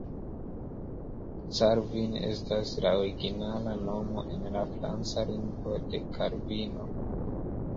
Calvin estas la originala nomo en la franca lingvo de Kalvino.